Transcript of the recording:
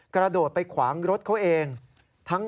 กระโดดไปขวางรถเขาเอง